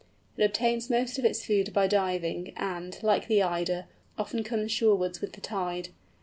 It obtains most of its food by diving, and, like the Eider, often comes shorewards with the tide.